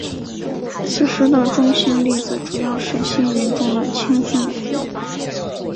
此时的中性粒子主要是星云中的氢分子。